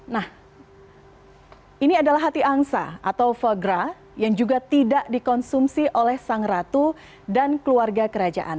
nah ini adalah hati angsa atau fagra yang juga tidak dikonsumsi oleh sang ratu dan keluarga kerajaan